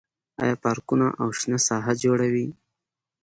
آیا پارکونه او شنه ساحې جوړوي؟